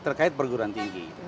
terkait perguruan tinggi